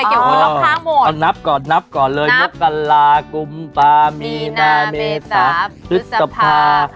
แก่วลบทางหมดเอานับก่อนเลยมกลากุมปามีนาเมทาพฤษภา